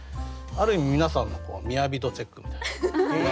ある意味皆さんの雅度チェックみたいな。